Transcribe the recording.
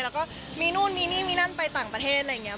แล้วก็มีนู่นมีนี่มีนั่นไปต่างประเทศอะไรอย่างนี้